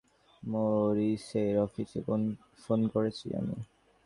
মরিসের অফিসে ফোন করেছি আমি।